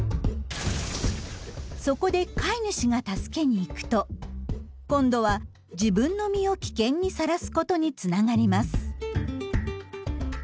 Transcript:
そこで飼い主が助けに行くと今度は自分の身を危険にさらすことにつながります。